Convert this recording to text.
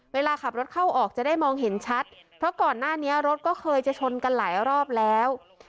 เวลาขับรถเข้าออกจะได้มองเห็นชัดเพราะก่อนหน้านี้รถก็เคยจะชนกันหลายรอบแล้ว